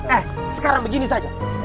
eh sekarang begini saja